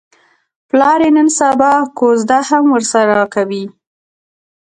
پلار یې نن سبا کوزده هم ورسره کوي.